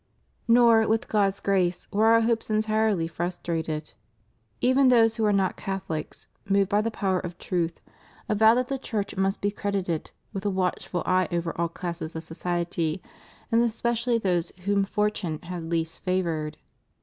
Nor, with God's grace, were Our hopes entirely frus trated. Even those who are not Catholics, moved by the power of truth, avowed that the Church must be credited with a watchful care over all classes of society, and espe cially those whom fortune had least favored.